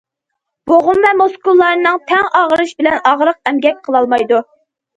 بوغۇم ۋە مۇسكۇللارنىڭ تەڭ ئاغرىشى بىلەن ئاغرىق ئەمگەك قىلالمايدۇ.